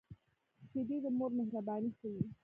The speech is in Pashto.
شیدې د مور مهرباني ښيي